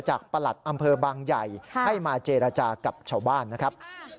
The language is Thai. ประหลัดอำเภอบางใหญ่ให้มาเจรจากับชาวบ้านนะครับ